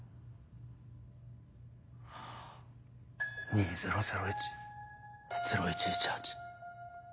２００１０１１８。